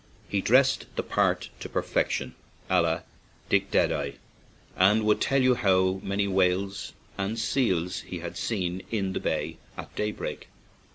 He dressed the part to perfection, a la Dick Dead eye, and would tell how many whales and seals he had seen in the bay at daybreak.